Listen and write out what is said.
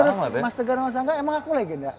emang menurut mas tegar ngozanga emang aku legenda